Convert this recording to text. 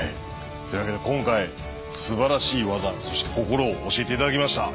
というわけで今回すばらしい技そして心を教えて頂きました。